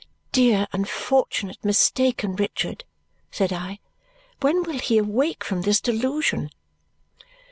"Dear, unfortunate, mistaken Richard," said I. "When will he awake from his delusion!"